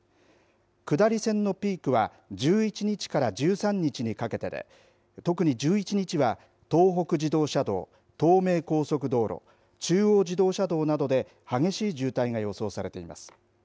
下り線のピークは１１日から１３日にかけてで特に１１日は、東北自動車道東名高速道路中央自動車道などで激しい渋滞が予想されています。